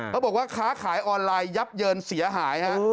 เขาบอกว่าค้าขายออนไลน์ยับเยินเสียหายฮะ